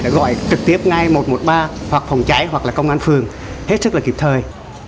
gọi trực tiếp ngay một trăm một mươi ba hoặc phòng cháy hoặc là công an phường hết sức là kịp thời